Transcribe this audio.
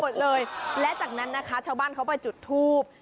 จากนั้นชาวบ้านจะไปจุดทูบ